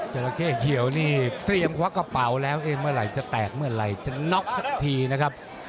จราเข้เขียวนี่เตรียมควักกระเป๋าแล้วเองเมื่อไหร่จะแตกเมื่อไหร่จะน็อกสักทีนะครับ